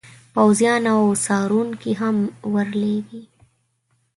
پوځیان او څارونکي هم ور لیږي.